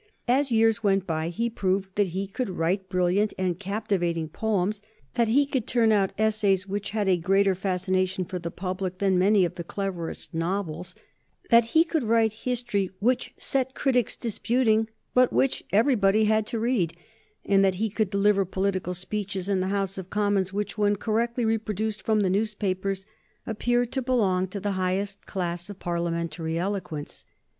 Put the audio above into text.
As years went on, he proved that he could write brilliant and captivating poems; that he could turn out essays which had a greater fascination for the public than many of the cleverest novels; that he could write history which set critics disputing, but which everybody had to read; and that he could deliver political speeches in the House of Commons which, when correctly reproduced from the newspapers, appeared to belong to the highest class of Parliamentary eloquence.